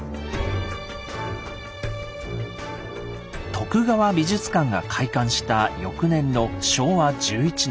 徳川美術館が開館した翌年の昭和１１年。